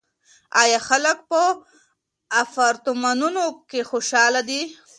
آیا خلک په اپارتمانونو کې خوشحاله دي؟